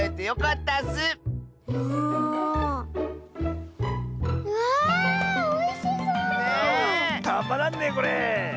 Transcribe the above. たまらんねこれ。